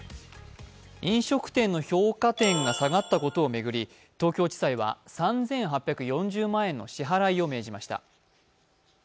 飲食店の評価点が下がったことを巡り東京地裁は３８４０万円の支払いを命じました。